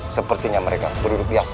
sepertinya mereka penduduk biasa